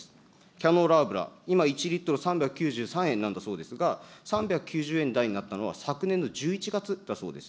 キャノーラ油、１リットル３９３円なんだそうですが、３９０円台になったのは、昨年の１１月だそうです。